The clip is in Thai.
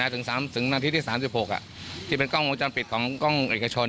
ถึงนาทีที่๓๖ที่เป็นกล้องวงจรปิดของกล้องเอกชน